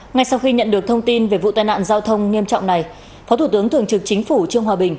ngay sau khi nhận được thông tin về vụ tai nạn giao thông nghiêm trọng này phó thủ tướng thường trực chính phủ trương hòa bình